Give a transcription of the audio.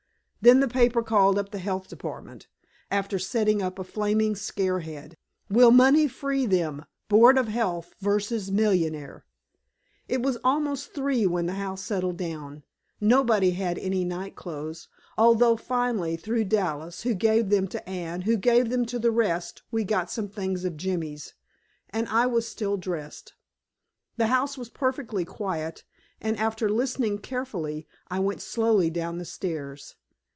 Then the paper called up the health office, after setting up a flaming scare head, "Will Money Free Them? Board of Health versus Millionaire." It was almost three when the house settled down nobody had any night clothes, although finally, through Dallas, who gave them to Anne, who gave them to the rest, we got some things of Jimmy's and I was still dressed. The house was perfectly quiet, and, after listening carefully, I went slowly down the stairs.